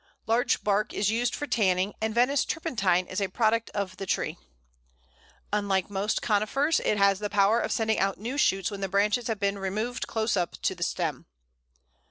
Larch bark is used for tanning, and Venice turpentine is a product of the tree. Unlike most Conifers, it has the power of sending out new shoots when the branches have been removed close up to the stem.